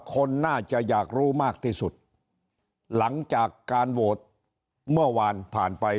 คนน่าจะอยากรู้มากที่สุดหลังจากการโหวตเมื่อวานผ่านไป